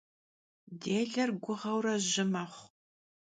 Dêler guğeure jı mexhu.